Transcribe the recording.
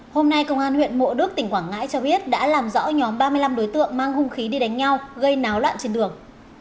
hôm nay công an huyện mộ đức tỉnh quảng ngãi cho biết đã làm rõ nhóm ba mươi năm đối tượng mang hung khí đi đánh nhau gây náo loạn trên đường